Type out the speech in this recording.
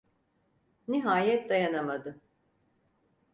Nihayet dayanamadı: